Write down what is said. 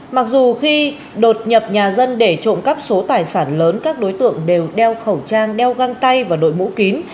mặc dù khi đột nhập nhà dân để trộm cắp số tài sản lớn các đối tượng đều đeo khẩu trang đeo găng tay và đội mũ kín